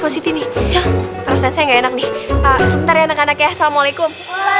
posisi nih rasanya enggak enak nih ntar ya anak anak ya assalamualaikum